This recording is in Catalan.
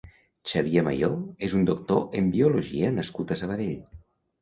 Xavier Mayor és un doctor en biologia nascut a Sabadell.